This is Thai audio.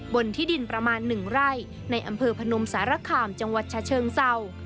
บนที่ดินประมาณ๑ไร่ในอำเภอพนมสารคามจังหวัดชาเชิงเศร้า